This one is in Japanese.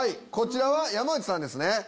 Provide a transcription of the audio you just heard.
こちらは山内さんですね。